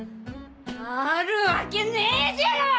あるわけねえじゃろ！